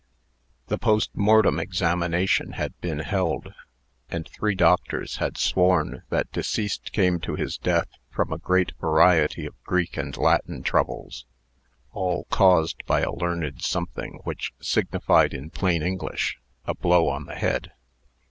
The post mortem examination had been held; and three doctors had sworn that deceased came to his death from a great variety of Greek and Latin troubles, all caused by a learned something which signified, in plain English, a blow on the head.